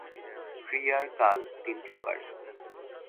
ক্রিয়ার কাল তিন প্রকার।